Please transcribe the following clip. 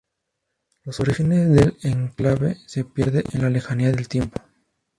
Los orígenes del enclave se pierden en la lejanía del tiempo.